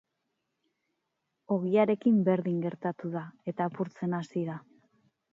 Ogiarekin berdin gertatu da eta apurtzen hasi da.